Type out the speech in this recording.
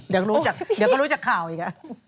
เดี๋ยวเขารู้จักข่าวอีก